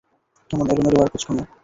কেমন এলোমেলো আর কুঁচকানো।